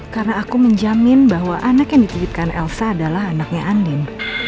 karena aku menjamin bahwa anak yang dititipkan elsa adalah anaknya andin